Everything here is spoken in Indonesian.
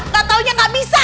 gak taunya gak bisa